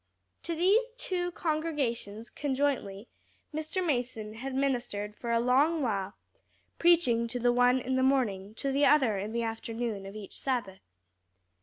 To these two congregations conjointly Mr. Mason had ministered for a long while, preaching to the one in the morning, to the other in the afternoon of each Sabbath.